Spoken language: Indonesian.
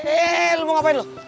eh lu mau ngapain lu